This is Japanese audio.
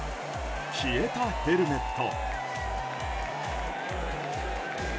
消えたヘルメット。